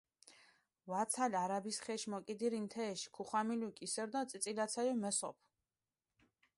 ვაცალ არაბის ხეში მოკიდირინი თეში, ქუხვამილუ კისერო დო წიწილაცალო მესოფჷ.